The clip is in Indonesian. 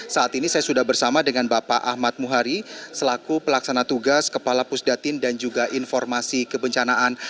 saat ini saya sudah bersama dengan bapak ahmad muhari selaku pelaksana tugas kepala pusdatin dan juga informasi kebencanaan